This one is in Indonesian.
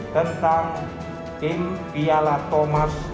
tentang tim piala thomas